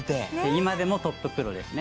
今でもトッププロですね。